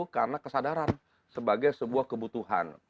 karena kesadaran sebagai sebuah kebutuhan